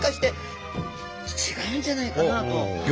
違うんじゃないかなと。